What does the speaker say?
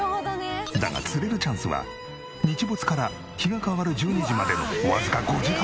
だが釣れるチャンスは日没から日が変わる１２時までの。